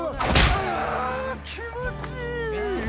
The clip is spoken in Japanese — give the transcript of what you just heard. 気持ちいい。